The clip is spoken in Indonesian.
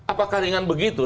apakah ringan begitu